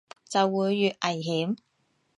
就會越危險